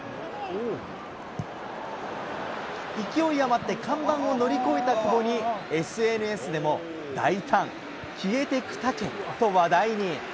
勢い余って看板を乗り越えた久保に、ＳＮＳでも大胆、消えていくタケと話題に。